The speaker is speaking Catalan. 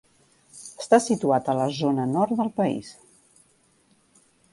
Està situat a la zona nord del país.